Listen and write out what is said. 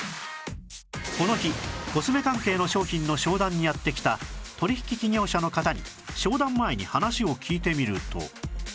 この日コスメ関係の商品の商談にやって来た取引企業者の方に商談前に話を聞いてみると